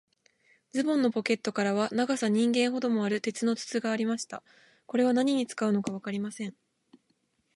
ズボンのポケットからは、長さ人間ほどもある、鉄の筒がありました。これは何に使うのかわかりません。